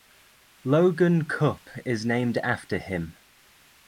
Logan Cup is named after him.